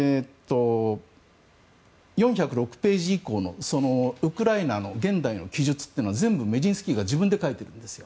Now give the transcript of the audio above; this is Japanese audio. ４０６ページ以降のウクライナの現代の記述は全部メジンスキーが自分で書いてるんですよ。